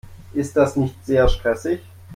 Ist das nicht sehr stressig?